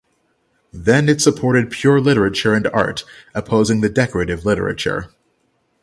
Then it supported pure literature and art opposing the decorative literature.